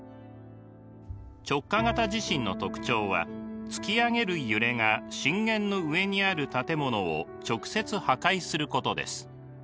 直下型地震の特徴は突き上げる揺れが震源の上にある建物を直接破壊することです。